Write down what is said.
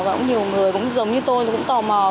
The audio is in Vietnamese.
và cũng nhiều người cũng giống như tôi cũng tò mò